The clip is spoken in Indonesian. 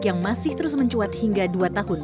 yang masih terus mencuat hingga dua tahun